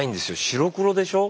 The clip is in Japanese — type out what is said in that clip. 白黒でしょ。